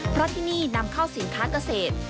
เพราะที่นี่นำเข้าสินค้าเกษตร